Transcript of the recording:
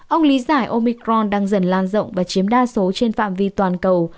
ông lý giải omicron đang dần lan rộng và chiếm đa số trên phạm vi toàn cầu